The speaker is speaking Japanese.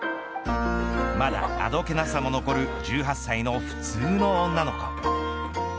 まだあどけなさも残る１８歳の普通の女の子。